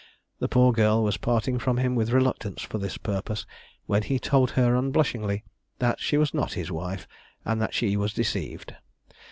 The poor girl was parting from him with reluctance for this purpose, when he told her unblushingly that she was not his wife, and that she was deceived.